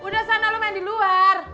udah sana lo main di luar